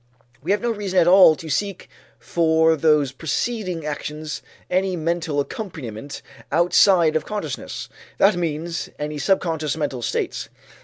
We have no reason at all to seek for those preceding actions any mental accompaniment outside of consciousness, that means, any subconscious mental states.